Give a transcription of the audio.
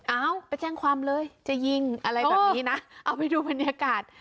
เอาไปแจ้งความเลยจะยิงอะไรแบบนี้นะเอาไปดูบรรยากาศ